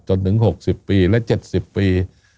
จนถึง๖๐ปีและ๗๐ปี